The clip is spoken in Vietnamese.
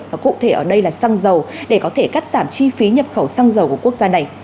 và cụ thể ở đây là xăng dầu để có thể cắt giảm chi phí nhập khẩu xăng dầu của quốc gia này